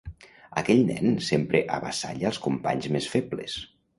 Aquell nen sempre avassalla els companys més febles.